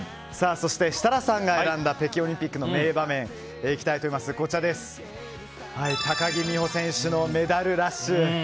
そして、設楽さんが選んだ北京オリンピックの名場面は高木美帆選手のメダルラッシュ。